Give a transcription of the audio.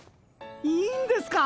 いいんですか！？